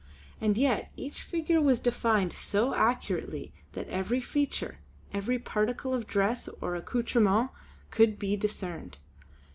And yet each figure was defined so accurately that every feature, every particle of dress or accoutrement could be discerned.